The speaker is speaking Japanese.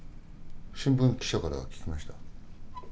新聞記者から聞きました。